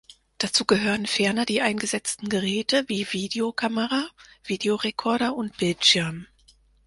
Dazu gehören ferner die eingesetzten Geräte, wie Videokamera, Videorekorder und Bildschirm.